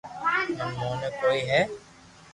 ھين موني ڪوئي ھيي